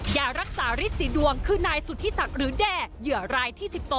ยารักษาฤทธีดวงคือนายสุธิศักดิ์หรือแด่เหยื่อรายที่๑๒